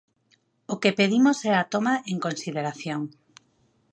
O que pedimos é a toma en consideración.